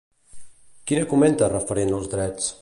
Quina comenta referent als drets?